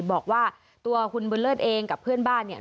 บอกว่าตัวคุณบุญเลิศเองกับเพื่อนบ้านเนี่ย